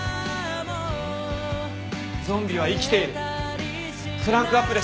『ゾンビは生きている』クランクアップです！